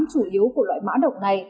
chủ yếu của loại mã động này